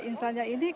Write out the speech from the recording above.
instannya ini kegiatan